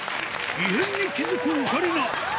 異変に気付くオカリナ。